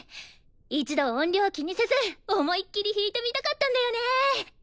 一度音量気にせず思いっきり弾いてみたかったんだよね！